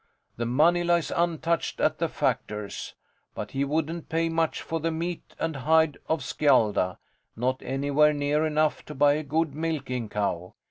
The money lies untouched at the factor's. But he wouldn't pay much for the meat and hide of Skjalda, not anywhere near enough to buy a good milking cow.